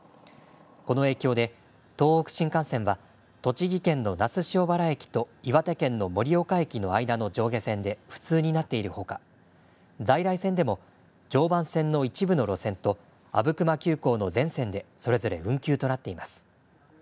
この影響で、東北新幹線は、栃木県の那須塩原駅と岩手県の盛岡駅の間の上下線で不通になっているほか、在来線でも常磐線の一部の路線と、阿武隈急行の全線でそれぞれ運休となっています。